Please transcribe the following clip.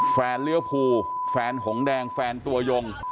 เลี้ยวภูแฟนหงแดงแฟนตัวยง